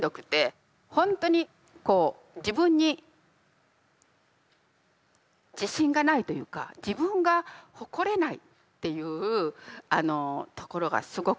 ほんとにこう自分に自信がないというか自分が誇れないっていうところがすごくあって。